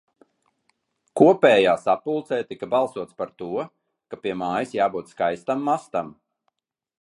Kopējā sapulcē tika balsots par to, ka pie mājas jābūt skaistam mastam.